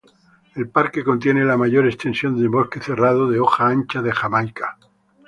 El parque contiene la mayor extensión de bosque cerrado de hoja ancha de Jamaica.